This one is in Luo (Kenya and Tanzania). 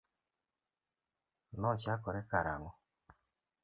Nochakore karang'o?